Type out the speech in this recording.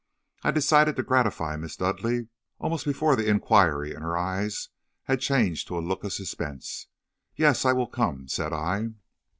I decided to gratify Miss Dudleigh, almost before the inquiry in her eyes had changed to a look of suspense. 'Yes, I will come,' said I.